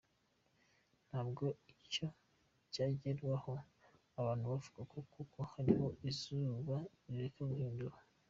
Ntabwo icyo cyagenderwaho abantu bavuga ngo kuko hariho izuba reka duhindure.